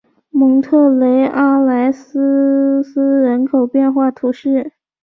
蒙特雷阿莱苏斯人口变化图示